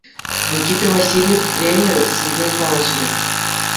Никита Васильев тренер сиввӗн калаҫрӗ.